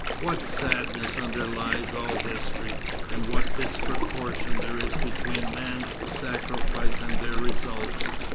What sadness underlies all history, and what disproportion there is between man's sacrifices and their results!